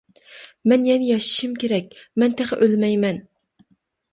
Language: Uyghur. مەن يەنە ياشىشىم كېرەك، مەن تېخى ئۆلمەيمەن.